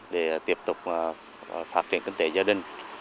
để tiếp tục phát triển kinh tế gia đình